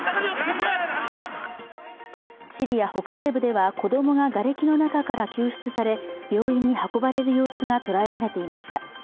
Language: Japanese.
シリア北西部では、子供ががれきの中から救出され病院に運ばれる様子が捉えられていました。